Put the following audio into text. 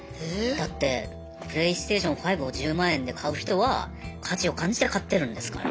だってプレイステーション５を１０万円で買う人は価値を感じて買ってるんですから。